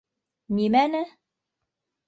- Нимәне?